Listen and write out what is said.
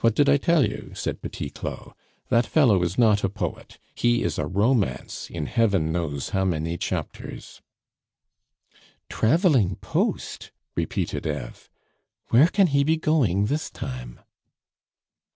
"What did I tell you?" said Petit Claud. "That fellow is not a poet; he is a romance in heaven knows how many chapters." "Traveling post!" repeated Eve. "Where can he be going this time?"